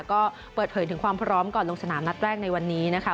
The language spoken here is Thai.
ก็เปิดเผยถึงความพร้อมก่อนลงสนามนัดแรกในวันนี้นะคะ